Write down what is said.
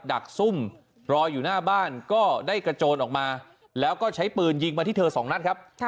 ดักซุ่มรออยู่หน้าบ้านก็ได้กระโจนออกมาแล้วก็ใช้ปืนยิงมาที่เธอสองนัดครับ